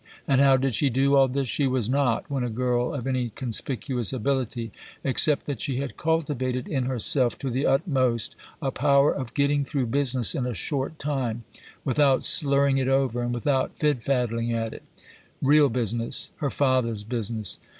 And how did she do all this? She was not, when a girl, of any conspicuous ability, except that she had cultivated in herself to the utmost a power of getting through business in a short time, without slurring it over and without fid fadding at it; real business her Father's business.